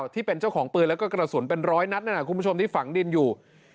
ที่เป็นเจ้าของปืนแล้วก็กระสุนเป็นร้อยนัดนั่นคุณผู้ชมที่ฝังดินอยู่